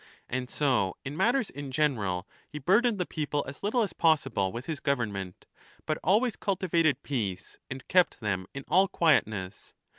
And so in matters in general he burdened the people as little as possible with liis government, but always cultivated peace and kept them in all quietness.